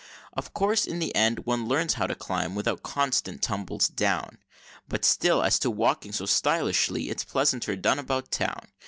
Of course, in the end, one learns how to climb without constant tumbles down, But still as to walking so stylishly, it's pleasanter done about town.